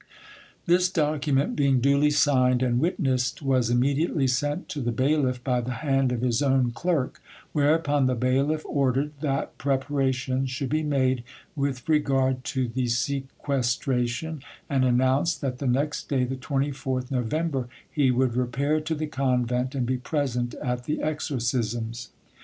This document being duly signed and witnessed was immediately sent to the bailiff by the hand of his own clerk, whereupon the bailiff ordered that preparations should be made with regard to the sequestration, and announced that the next day, the 24th November, he would repair to the convent and be present at the exorcisms.